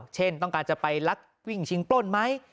เช่นต้องการจะไปลักวิ่งชิงปล้นไหม